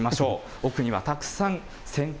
奥にはたくさん洗濯